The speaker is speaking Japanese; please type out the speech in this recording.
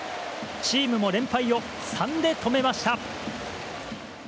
チームも連敗を３で止めました。